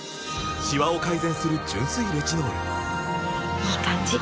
いい感じ！